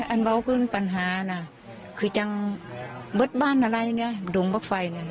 อ๋ออันเบาขึ้นปัญหานะคือจังเบิดบ้านอะไรเนี่ยดุงบอกไฟเนี่ย